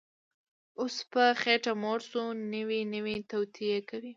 اوس په خېټه موړ شو، نوې نوې توطیې کوي